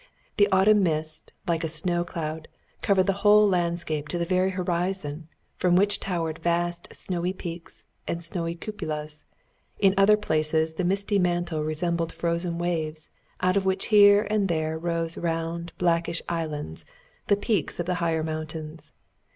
The autumn mist, like a snow cloud, covered the whole landscape to the very horizon, from which towered vast snowy peaks and snowy cupolas; in other places the misty mantle resembled frozen waves, out of which here and there rose round, blackish islands, the peaks of the higher mountains.